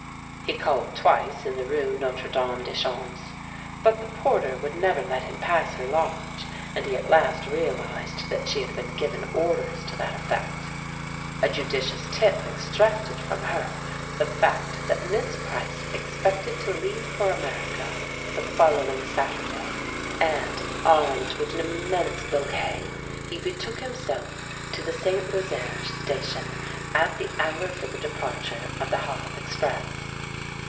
He called twice in the rue Notre Dame des Champs, but the porter would never let him pass her lodge, and he at last realized that she had been given orders to that effect. A judicious tip extracted from her the fact that Miss Price expected to leave for America the following Saturday, and, armed with an immense bouquet, he betook himself to the St. Lazare station at the hour for the departure of the Havre express.